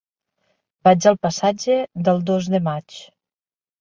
Vaig al passatge del Dos de Maig.